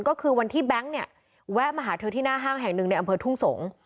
ก็คือวันที่แบงค์เนี่ยแวะมาหาเธอที่หน้าห้างแห่งหนึ่งในอำเภอทุ่งสงศ์